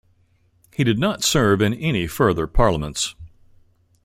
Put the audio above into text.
He did not serve in any further Parliaments.